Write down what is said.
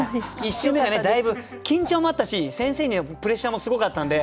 １週目がねだいぶ緊張もあったし先生にやっぱプレッシャーもすごかったんで。